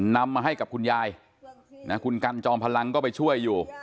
นำมาให้กับคุณยายนะคุณกันจอมพลังก็ไปช่วยอยู่